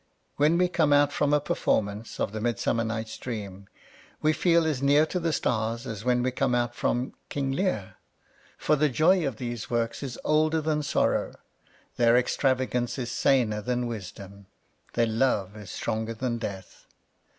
When we come out from a performance of the " Midsummer Night's Dream " we feel as near to the stars as when we come out from *' King Lear." For the joy of these works is older than sorrow, their extravagance is saner than wisdom, their love is stronger than death.